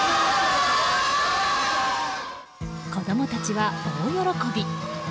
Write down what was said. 子供たちは大喜び。